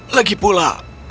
lagipula aku ingin berhubung